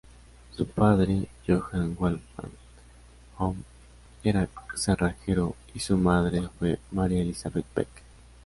Su padre, Johann Wolfgang Ohm, era cerrajero y su madre fue Maria Elizabeth Beck.